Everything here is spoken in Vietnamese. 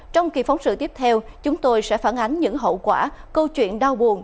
trong kỳ phóng sự tiếp theo chúng tôi sẽ phản ánh những hậu quả câu chuyện đau buồn